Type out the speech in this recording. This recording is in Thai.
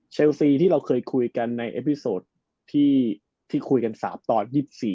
เชลสีที่เราเคยคุยกันในอิพฤษดที่คุยกัน๓ตอน๒๕๒๖